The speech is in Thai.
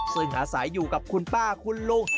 ซึ่งอาศัยอยู่กับคุณป้าคุณลุง